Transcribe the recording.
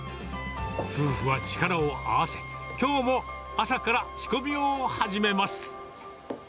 夫婦は力を合わせ、きょうも朝から仕込みを始めます。